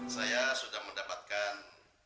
saya sudah mendapatkan